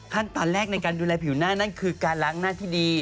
ขั้นตอนแรกในการดูแลผิวหน้านั่นคือการล้างหน้าที่ดี